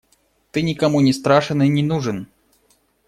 Ты никому не страшен и не нужен.